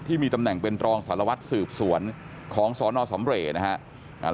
ที่มีตำแหน่งเป็นรองสารวัตรสืบสวนของสนสำเรย์นะครับ